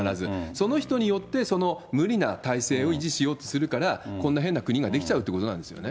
その人によってその無理な体制を維持しようとするから、こんな変な国が出来ちゃうってことなんですよね。